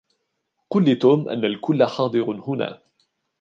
قل لتوم أن الكل حاضر هنا.